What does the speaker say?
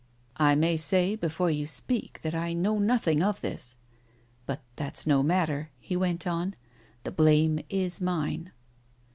"I may say before you speak that I know nothing of this. But that's no matter," he went on, "the blame is mine."